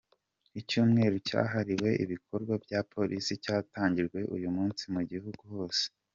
Icyumweru cyahariwe ibikorwa bya polisi cyatangijwe uyu munsi mu gihugu hose.